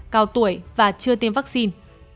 cao tuổi và chưa tiêm vaccine